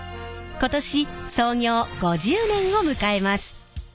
今年創業５０年を迎えます。